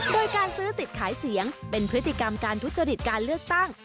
โดยการซื้อสิทธิ์ขายเสียงเป็นพฤติกรรมการทุจริตการเลือกตั้ง